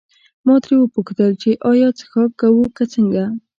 ما ترې وپوښتل چې ایا څښاک کوو که څنګه.